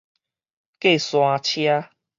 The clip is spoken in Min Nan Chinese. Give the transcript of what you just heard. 過山車